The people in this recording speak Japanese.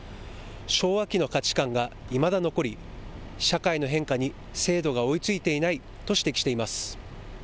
昭和期の価値観がいまだ残り、社会の変化に制度が追いついていないと指摘しています。